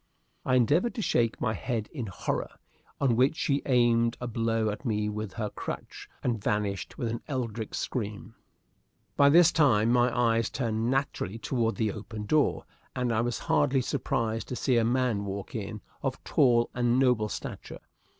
I endeavored to shake my head in horror; on which she aimed a blow at me with her crutch, and vanished with an eldrich scream. By this time my eyes turned naturally toward the open door, and I was hardly surprised to see a man walk in, of tall and noble stature.